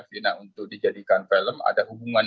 vina untuk dijadikan film ada hubungan